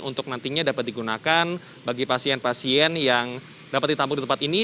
untuk nantinya dapat digunakan bagi pasien pasien yang dapat ditampung di tempat ini